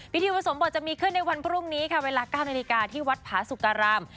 พิธีอุปสมบทจะมีขึ้นในวันพรุ่งนี้ค่ะเวลา๙นาฬิกาที่วัดผาสุการาม